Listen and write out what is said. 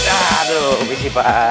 aduh misi pak